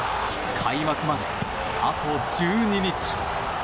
開幕まであと１２日。